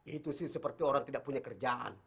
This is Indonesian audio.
itu sih seperti orang tidak punya kerjaan